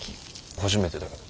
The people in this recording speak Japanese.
初めてだけど。